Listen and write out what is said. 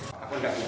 aku tidak ingatkan